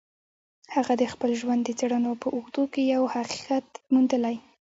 هغه د خپل ژوند د څېړنو په اوږدو کې يو حقيقت موندلی.